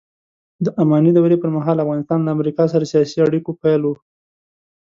د اماني دورې پرمهال افغانستان له امریکا سره سیاسي اړیکو پیل و